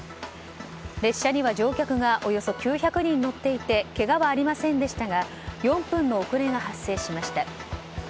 列車には乗客がおよそ９００人乗っていてけがはありませんでしたが４分の遅れが発生しました。